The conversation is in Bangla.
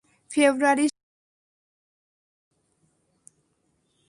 ফেব্রুয়ারির শেষের দিকে।